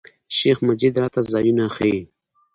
شیخ مجید راته ځایونه ښیي.